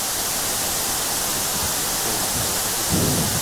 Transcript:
農場位於何處？